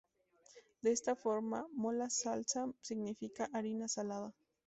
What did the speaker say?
De esta forma "mola salsa" significa "harina salada".